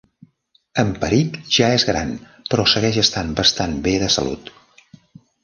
En Peric ja és gran, però segueix estant bastant bé de salut.